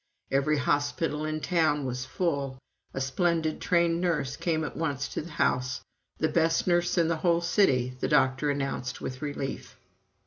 Every hospital in town was full. A splendid trained nurse came at once to the house "the best nurse in the whole city," the doctor announced with relief.